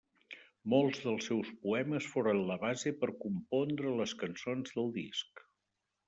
Molts dels seus poemes foren la base per compondre les cançons del disc.